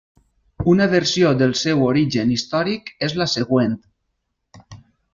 Una versió del seu origen històric és la següent.